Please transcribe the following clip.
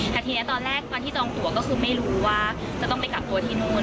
แต่ทีนี้ตอนแรกตอนที่จองตัวก็คือไม่รู้ว่าจะต้องไปกลับตัวที่นู่น